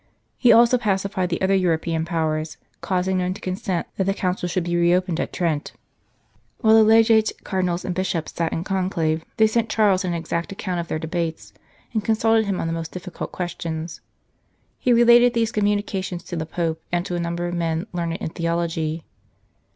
He also pacified the other European Powers, causing them to consent that the Council should be re opened at Trent. 29 St. Charles Borromeo While the Legates, Cardinals, and Bishops, sat in conclave, they sent Charles an exact account of their debates, and consulted him on the most difficult questions. He related these communica tions to the Pope, and to a number of men learned in theology.